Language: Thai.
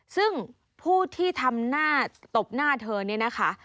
ซึ่งผู้ที่ทำหน้าตบหน้าเธอเนี่ยนะคะ